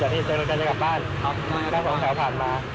เจ็บมา๖คน